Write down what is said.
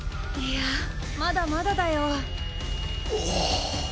いやまだまだだよ。